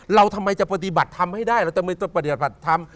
เราทำไมจะปฏิบัติทำให้ได้เราทำไมจะปฏิบัติทำ